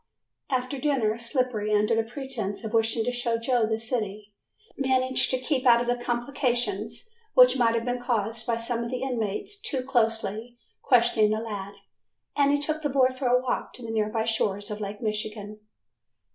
After dinner Slippery under the pretense of wishing to show Joe the city, managed to keep out of complications which might have been caused by some of the inmates too closely questioning the lad, and he took the boy for a walk to the nearby shores of Lake Michigan.